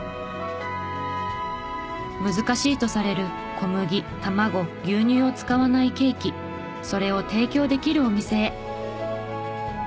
難しいとされる小麦卵牛乳を使わないケーキそれを提供できるお店へ。